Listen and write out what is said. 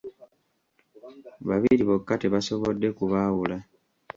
Babiri bokka tebasobodde kubaawula.